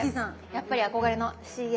やっぱり憧れのＣＡ。